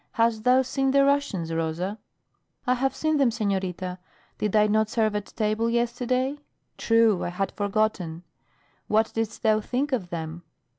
Hast thou seen the Russians, Rosa?" "I have seen them, senorita. Did I not serve at table yesterday?" "True; I had forgotten. What didst thou think of them?"